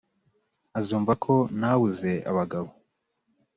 azumva ko ntabuze abagabo